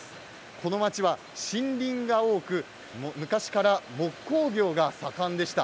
この町は森林が多く昔から木工業が盛んでした。